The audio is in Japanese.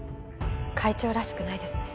会長らしくないですね。